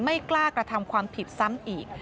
ไม่กล้ากระทำความผิดซ้ำอีก